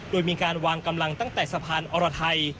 โดยมีการวางกำลังตั้งแต่สะพานอรไทย